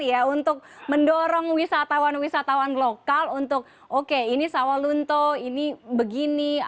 ya untuk mendorong wisatawan wisatawan lokal untuk oke ini sawalunto ini begini